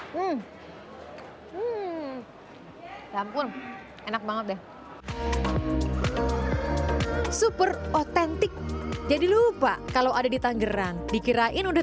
oke anggap pun enak banget deh super autentik jadi lupa kalau ada di tanggerang dikirain udah